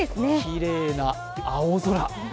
きれいな青空！